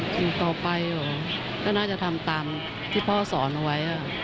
สิ่งต่อไปหรอก็น่าจะทำตามที่พ่อสอนไว้